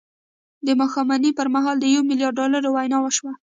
د ماښامنۍ پر مهال د یوه میلیارد ډالرو وینا وشوه